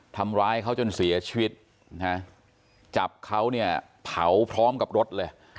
ทำร้ายเขาจนเสียชีวิตนะจับเขาเนี่ยเผาพร้อมกับรถเลย